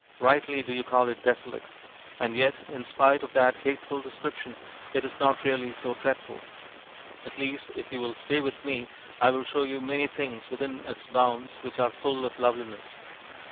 Rightly do you call it desolate and yet in spite of that hateful description it is not really so dreadful at least if you will stay with me, I will show you many things within its bounds which are full of loveliness.